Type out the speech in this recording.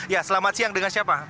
ya selamat siang dengan siapa